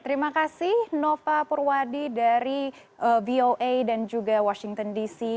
terima kasih nova purwadi dari voa dan juga washington dc